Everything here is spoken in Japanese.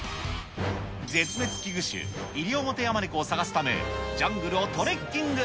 絶滅危惧種、イリオモテヤマネコを探すため、ジャングルをトレッキング。